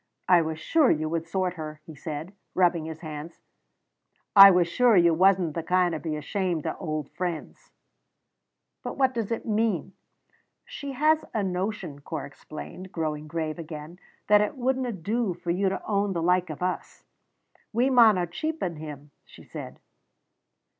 "I was sure you would sort her," he said, rubbing his hands, "I was sure you wasna the kind to be ashamed o' auld friends." "But what does it mean?" "She has a notion," Corp explained, growing grave again, "that it wouldna do for you to own the like o' us. 'We mauna cheapen him,' she said.